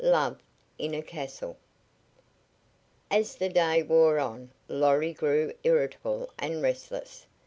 XI. LOVE IN A CASTLE As the day wore on Lorry grew irritable and restless.